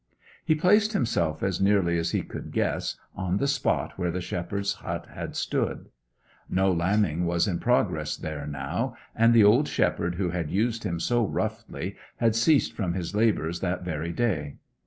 He placed himself, as nearly as he could guess, on the spot where the shepherd's hut had stood. No lambing was in progress there now, and the old shepherd who had used him so roughly had ceased from his labours that very day.